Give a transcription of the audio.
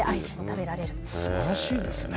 すばらしいですね。